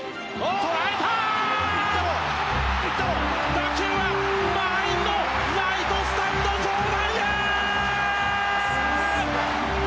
打球は満員のライトスタンド上段へ！